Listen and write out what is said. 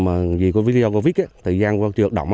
mà vì covid một mươi chín thời gian chưa hoạt động